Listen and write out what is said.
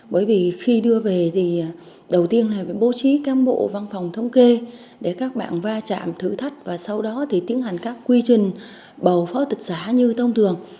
bởi vì khi đưa về thì đầu tiên là phải bố trí cán bộ văn phòng thống kê để các bạn va chạm thử thách và sau đó thì tiến hành các quy trình bầu phó tịch xã như thông thường